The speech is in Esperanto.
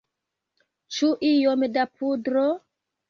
Ĉu iom da pudro?